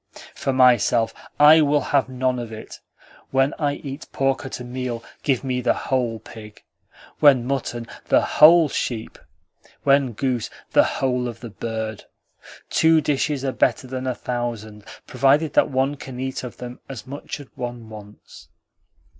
"For myself, I will have none of it. When I eat pork at a meal, give me the WHOLE pig; when mutton, the WHOLE sheep; when goose, the WHOLE of the bird. Two dishes are better than a thousand, provided that one can eat of them as much as one wants."